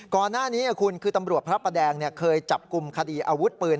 ก่อนหน้านี้คุณคือตำรวจพระประแดงเคยจับกลุ่มคดีอาวุธปืน